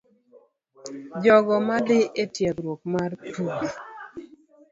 Jogo madhi e tiegruok mar pur,